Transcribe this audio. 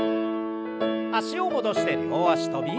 脚を戻して両脚跳び。